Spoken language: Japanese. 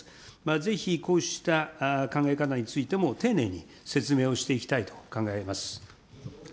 ぜひ、こうした考え方についても、丁寧に説明をしていきたいと考えます。